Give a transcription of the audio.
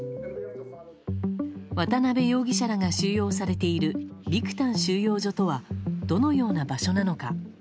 渡辺容疑者らが収容されているビクタン収容所とはどのような場所なのか。